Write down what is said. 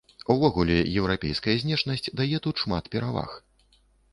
Увогуле, еўрапейская знешнасць дае тут шмат пераваг.